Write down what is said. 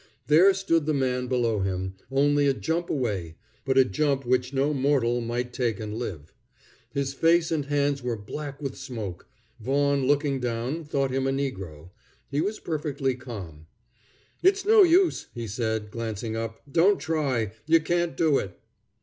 There stood the man below him, only a jump away, but a jump which no mortal might take and live. His face and hands were black with smoke. Vaughan, looking down, thought him a negro. He was perfectly calm. "It is no use," he said, glancing up. "Don't try. You can't do it."